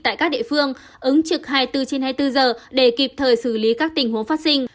tại các địa phương ứng trực hai mươi bốn trên hai mươi bốn giờ để kịp thời xử lý các tình huống phát sinh